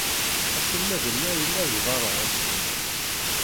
Aselmad-nneɣ yella deg beṛṛa ass-nni.